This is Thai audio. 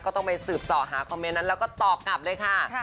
ต้องไปสืบส่อหาคอมเมนต์นั้นแล้วก็ตอบกลับเลยค่ะ